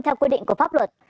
theo quy định của pháp luật